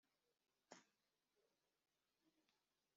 yasabye mwarimu uburenganzira kugira ngo agire